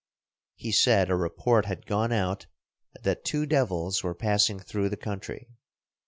He said a report had gone out that two devils were passing through the country.